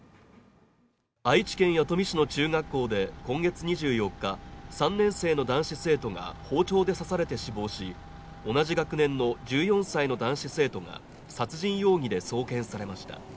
愛知県弥富市の中学校で今月２４日、３年生の男子生徒が包丁で刺されて死亡し、同じ学年の１４歳の男子生徒が殺人容疑で送検されました。